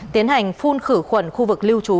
tiến hành phun khử khuẩn khu vực lưu trú